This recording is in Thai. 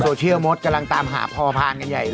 โอ้โฮไอ้โซเชียลโมทกำลังตามหาภอพาลกันใหญ่เลย